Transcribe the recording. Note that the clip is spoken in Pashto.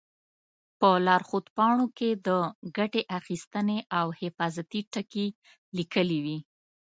په لارښود پاڼو کې د ګټې اخیستنې او حفاظتي ټکي لیکلي وي.